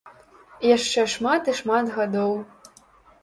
Яшчэ шмат і шмат гадоў.